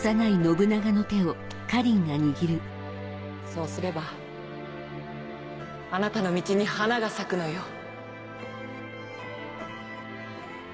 そうすればあなたの道に花が咲くのよあっ